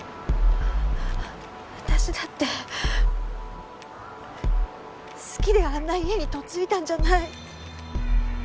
私だって好きであんな家に嫁いだんじゃない。